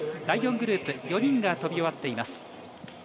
第４グループ、４人が飛び終わっています。